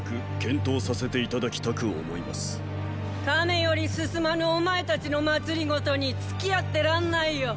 亀より進まぬお前たちの政につきあってらんないよ。